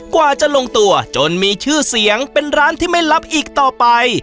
กว่าจะลงตัวจนมีชื่อเสียงเป็นร้านที่ไม่รับอีกต่อไป